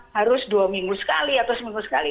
harus dua minggu sekali atau seminggu sekali